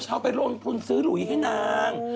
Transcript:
เอาไปลงทุนซื้อหลุยให้นาง